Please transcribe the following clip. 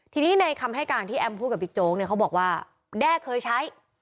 ทีนี้ในคำให้การที่แอมพูดกับบิ๊กโจ๊กเนี่ยเขาบอกว่าแด้เคยใช้